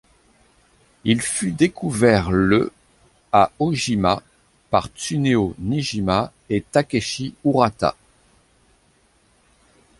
Il fut découvert le à Ojima par Tsuneo Niijima et Takeshi Urata.